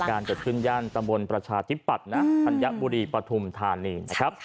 เหตุการณ์จัดขึ้นย่านตำรวจประชาธิปัตย์ธัญบุรีปฐุมธานี